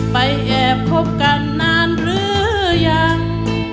ไปแอบคบกันนานหรือยัง